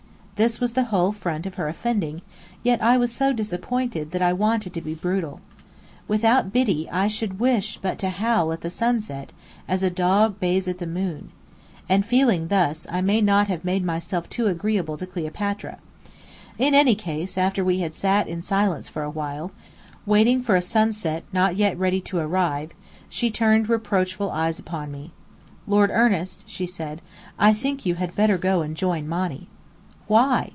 This was the whole front of her offending; yet I was so disappointed that I wanted to be brutal. Without Biddy, I should wish but to howl at the sunset, as a dog bays the moon. And feeling thus I may not have made myself too agreeable to Cleopatra. In any case, after we had sat in silence for a while, waiting for a sunset not yet ready to arrive, she turned reproachful eyes upon me. "Lord Ernest," she said, "I think you had better go and join Monny." "Why?"